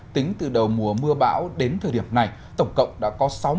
tính từ đầu mùa mưa bão đến thời điểm này tổng cộng đã có sáu mươi